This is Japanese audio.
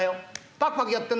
パクパクやってんだろ。